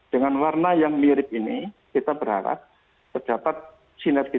dengan warna yang mirip ini kita berharap terdapat sinergi